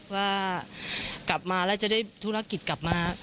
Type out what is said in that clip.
ว่ากลับมาแล้วจะได้ธุรกิจกลับมา